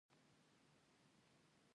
پسته په بادغیس کې مشهوره ده